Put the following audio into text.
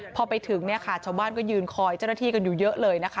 พอไปถึงเนี่ยค่ะชาวบ้านก็ยืนคอยเจ้าหน้าที่กันอยู่เยอะเลยนะคะ